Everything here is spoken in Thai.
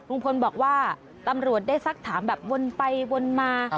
ลุงพลบอกว่าตำรวจได้สักถามแบบวนไปวนมา